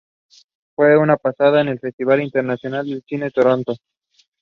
Music critics were divided with "You Need to Calm Down".